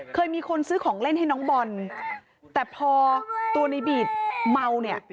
เคยมีคนซื้อของเล่นให้น้องบอลแต่พอตัวในบีดเมาเนี่ย